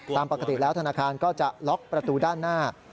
ตามปกติแล้วธนาคารก็จะล็อกประตูด้านหน้า